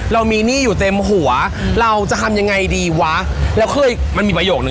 เรามีหนี้อยู่เต็มหัวเราจะทำยังไงดีวะแล้วเคยมันมีประโยคนึง